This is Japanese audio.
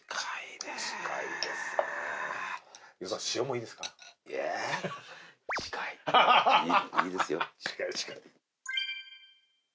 いいですよ。